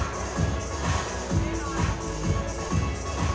และรักที่จะงั้น